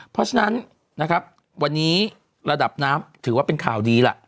เพราะฉะนั้นนะครับวันนี้ระดับน้ำถือว่าเป็นข่าวดีล่ะ